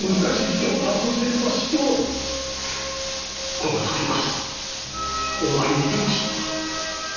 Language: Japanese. こんなときにこそお前に居てほしいのだ。